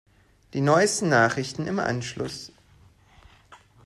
Die neusten Nachrichten im Anschluss.